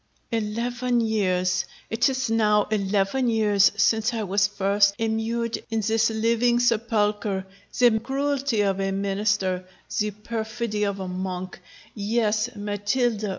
_ ROGERO. Eleven years! it is now eleven years since I was first immured in this living sepulchre; the cruelty of a Minister the perfidy of a Monk yes, Matilda!